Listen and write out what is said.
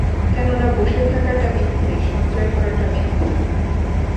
কেননা বসে থাকাটা মিথ্যে, সঞ্চয় করাটা মিথ্যে।